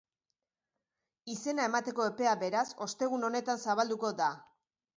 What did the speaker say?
Izena emateko epea, beraz, ostegun honetan zabalduko da.